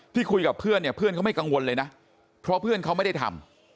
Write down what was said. คุยกับเพื่อนเนี่ยเพื่อนเขาไม่กังวลเลยนะเพราะเพื่อนเขาไม่ได้ทำ